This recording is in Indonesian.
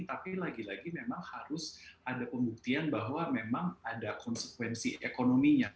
tapi lagi lagi memang harus ada pembuktian bahwa memang ada konsekuensi ekonominya